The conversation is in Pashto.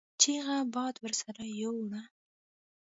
چيغه باد ورسره يو وړه.